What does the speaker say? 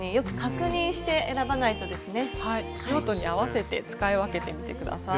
用途に合わせて使い分けてみて下さい。